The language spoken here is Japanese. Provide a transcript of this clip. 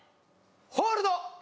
ホールド。